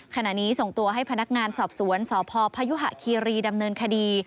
ขณะนี้ส่งตัวให้พนักงานสอบสวนสพพยุหะคีรีดำเนินคดี